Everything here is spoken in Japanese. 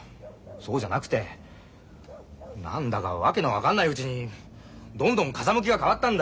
そうじゃなくて何だか訳の分かんないうちにどんどん風向きが変わったんだよ。